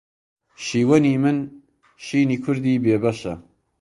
شیوەنی من شینی کوردی بێ بەشە